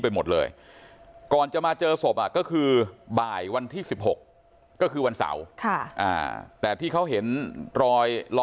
ไปหมดเลยก่อนจะมาเจอศพก็คือบ่ายวันที่๑๖ก็คือวันเสาร์แต่ที่เขาเห็นรอยล้อ